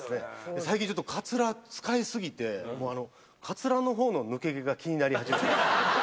最近ちょっとかつら使い過ぎて、かつらのほうの抜け毛が気になり始めて。